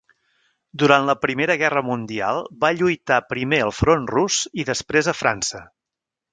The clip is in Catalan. Durant la Primera Guerra Mundial va lluitar primer al front rus, i després a França.